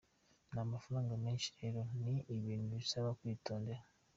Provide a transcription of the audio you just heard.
Ni amafaraga menshi rero, ni ibintu bisaba kwitondera.